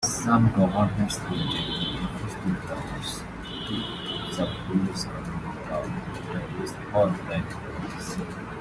Some governments will delegate enforcement powers to subordinate governmental entities or private parties.